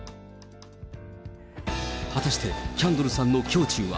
果たして、キャンドルさんの胸中は。